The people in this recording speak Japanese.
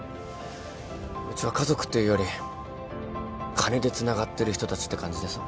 うちは家族っていうより金でつながってる人たちって感じでさ。